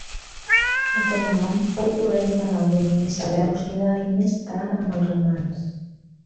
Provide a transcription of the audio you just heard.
Aquest nom fou corrent durant el domini selèucida i més tard amb els romans.